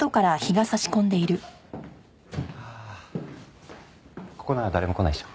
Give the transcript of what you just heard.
ああここなら誰も来ないでしょ。